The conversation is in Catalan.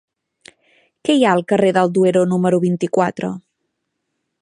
Què hi ha al carrer del Duero número vint-i-quatre?